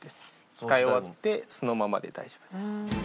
使い終わってそのままで大丈夫です。